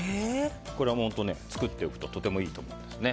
これは作っておくととてもいいと思いますね。